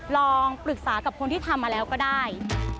ลองปรึกษากับคนที่ทำมาแล้วก็ได้